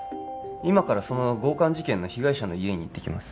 今からその強姦事件の被害者の家に行ってきます